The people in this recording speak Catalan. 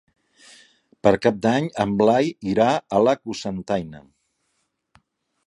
Per Cap d'Any en Blai irà a Cocentaina.